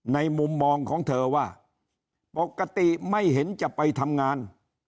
มุมมองของเธอว่าปกติไม่เห็นจะไปทำงาน